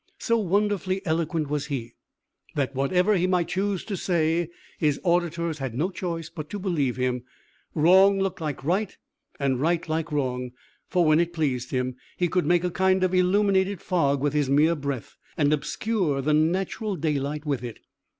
So wonderfully eloquent was he, that whatever he might choose to say, his auditors had no choice but to believe him; wrong looked like right, and right like wrong; for when it pleased him, he could make a kind of illuminated fog with his mere breath, and obscure the natural daylight with it.